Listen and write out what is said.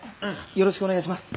よろしくお願いします。